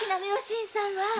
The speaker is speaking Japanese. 新さんは！